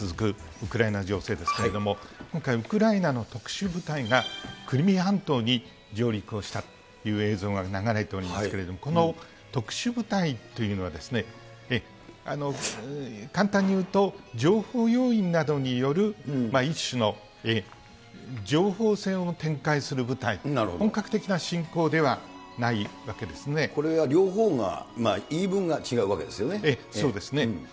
ウクライナ情勢ですけれども、今回、ウクライナの特殊部隊がクリミア半島に上陸をしたという映像が流れておりますけれども、この特殊部隊というのは、簡単に言うと、情報要員などによる一種の情報戦を展開する部隊、これは両方が、言い分が違うそうですね。